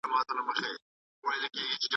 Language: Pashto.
هغه د دښمن لښکر ته ورغی.